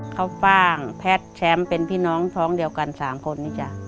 เขาฟ่างแพทย์แชมป์เป็นพี่น้องท้องเดียวกัน๓คนนี้จ้ะ